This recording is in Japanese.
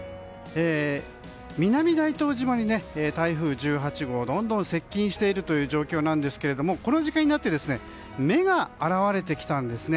南大東島に台風１８号どんどん接近しているという状況なんですけどこの時間になって目が現れてきたんです。